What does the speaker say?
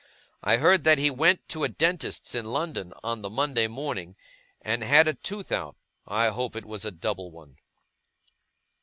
I heard that he went to a dentist's in London on the Monday morning, and had a tooth out. I hope it was a double one.